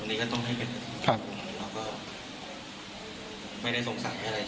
ตรงนี้ก็ต้องให้เป็น